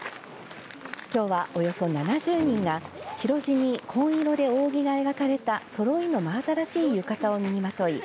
きょうはおよそ７０人が白地に紺色で扇が描かれたそろいの真新しい浴衣を身にまとい